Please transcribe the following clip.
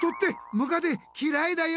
ムカデきらいだよ！